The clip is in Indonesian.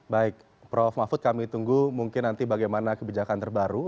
baik prof mahfud kami tunggu mungkin nanti bagaimana kebijakan terbaru